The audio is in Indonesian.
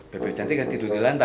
beb beb cantik yang tidur di lantai